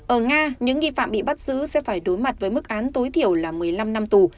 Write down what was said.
ở nga những nghi phạm bị bắt giữ sẽ phải đối mặt với mức án tối thiểu là một mươi năm năm tù